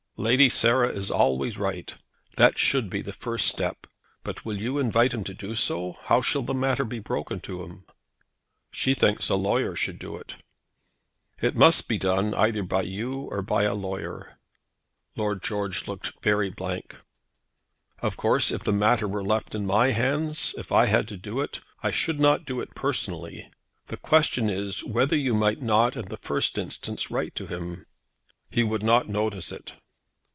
"Lady Sarah is always right. That should be the first step. But will you invite him to do so? How shall the matter be broken to him?" "She thinks a lawyer should do it." "It must be done either by you or by a lawyer." Lord George looked very blank. "Of course, if the matter were left in my hands; if I had to do it, I should not do it personally. The question is, whether you might not in the first instance write to him?" "He would not notice it."